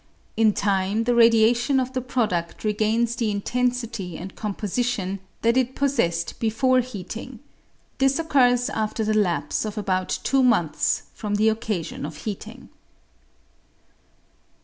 In time the radiation of the produd regains the intensity and composition that it possessed before heating ; this occurs after the lapse of about two months from the occasion of heating.